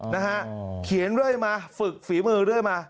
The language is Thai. นะฮะเขียนด้วยมาฝึกฝีมือด้วยมา